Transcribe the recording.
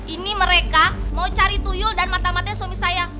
ini mereka mau cari tuyu dan mata matanya suami saya